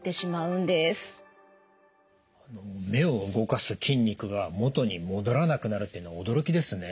目を動かす筋肉が元に戻らなくなるっていうの驚きですね。